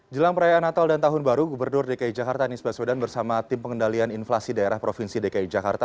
jelang perayaan natal dan tahun baru gubernur dki jakarta anies baswedan bersama tim pengendalian inflasi daerah provinsi dki jakarta